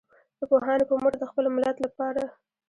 د پوهانو په مټ د خپل ملت لپاره.